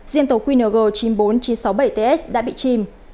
riêng tàu qng chín mươi bốn nghìn chín trăm sáu mươi bảy ts đã bị chìm